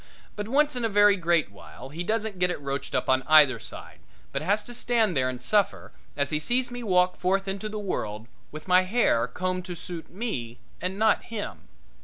But once in a very great while he doesn't get it roached up on either side, but has to stand there and suffer as he sees me walk forth into the world with my hair combed to suit me and not him.